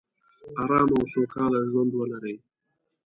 ارامه او سوکاله ژوندولري